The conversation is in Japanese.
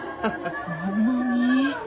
そんなに。